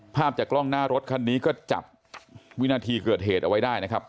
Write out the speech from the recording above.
ภาพจากกล้องหน้ารถคันนี้ก็จับวินาทีเกิดเหตุเอาไว้ได้นะครับ